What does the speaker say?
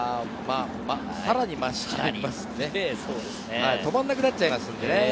さらに増しちゃいますね。